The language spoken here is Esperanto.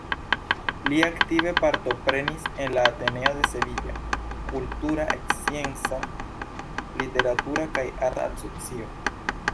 Li aktive partoprenis en la "Ateneo de Sevilla", kultura, scienca, literatura kaj arta asocio.